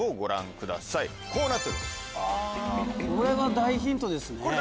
これは大ヒントですね。